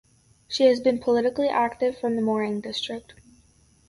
She has been politically active from Morang district.